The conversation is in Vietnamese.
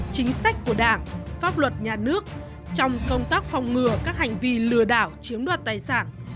chính sách của đảng pháp luật nhà nước trong công tác phòng ngừa các hành vi lừa đảo chiếm đoạt tài sản